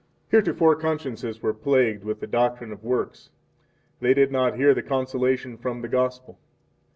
19 Heretofore consciences were plagued with the doctrine of works, they did not hear the consolation from the Gospel.